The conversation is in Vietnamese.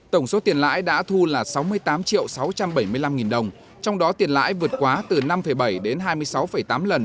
tổng số tiền lãi đã thu là sáu mươi tám triệu sáu trăm bảy mươi năm nghìn đồng trong đó tiền lãi vượt quá từ năm bảy đến hai mươi sáu tám lần